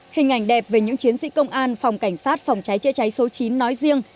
hình ảnh đẹp về những chiến sĩ công an phòng cảnh sát phòng cháy chữa cháy số chín nói riêng